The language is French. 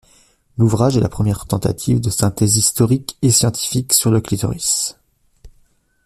L'ouvrage est la première tentative de synthèse historique et scientifique sur le clitoris.